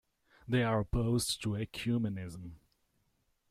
They are opposed to ecumenism.